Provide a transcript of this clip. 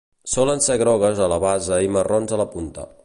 Solen ser grogues a la base i marrons a la punta.